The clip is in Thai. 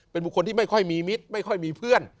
เป็นบุคคลที่ไม่ค่อยมีมิตรไม่ค่อยมีเพื่อน